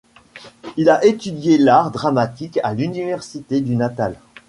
Il a étudié l'art dramatique à l'Université du Natal.